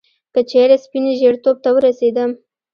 که چیري سپين ژیرتوب ته ورسېدم